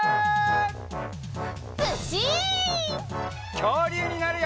きょうりゅうになるよ！